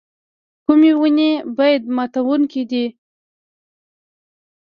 کومې ونې باد ماتوونکي دي؟